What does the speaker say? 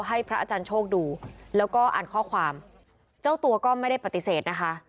ให้พระอาจารย์โชคดูแล้วก็อ่านข้อความเจ้าตัวก็ไม่ได้ปฏิเสธนะคะ